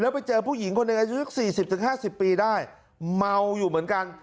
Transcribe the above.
แล้วไปเจอผู้หญิงคนอายุ๔๐๕๐ปีได้เมาอยู่เหมือนกัน